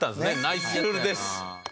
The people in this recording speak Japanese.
ナイスルールです。